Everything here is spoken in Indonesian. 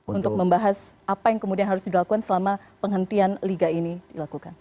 untuk membahas apa yang kemudian harus dilakukan selama penghentian liga ini dilakukan